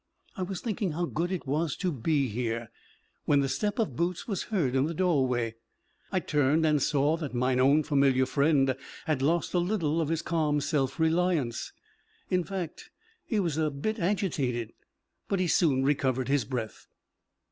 I was thinking how good it was to be here, when the step of Boots was heard in the doorway. I turned and saw that mine own familiar friend had lost a little of his calm self reliance in fact, he was a bit agitated, but he soon recovered his breath.